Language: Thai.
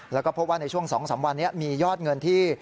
แล้วก็พบว่าในช่วง๒๓วันนี้มียอดเงินที่